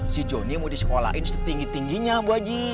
si johnny mau disekolahin setinggi tingginya bu aji